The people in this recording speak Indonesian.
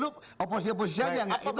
lu oposisi oposisian yang itu